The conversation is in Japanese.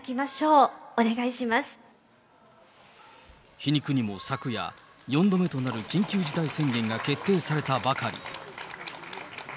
皮肉にも昨夜、４度目となる緊急事態宣言が決定されたばかり。